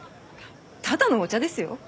ただのお茶ですよ？